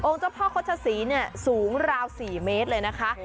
เจ้าพ่อโฆษศรีเนี่ยสูงราว๔เมตรเลยนะคะ